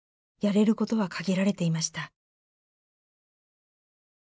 やれることは限られていました。